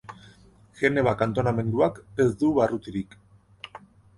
Geneva kantonamenduak ez du barrutirik.